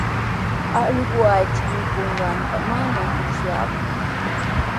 Allqu aycha mikunqanta manami musyaaku.